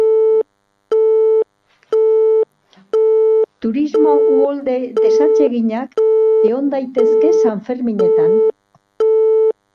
Turismo uholde desatseginak egon daitezke sanferminetan.